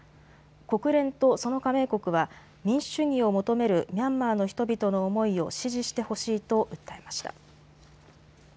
国連とその加盟国は民主主義を求めるミャンマーの人々の思いを支持してほしいと訴えました。